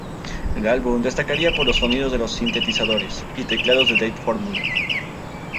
El álbum destacaría por los sonidos de los sintetizadores y teclados de Dave Formula.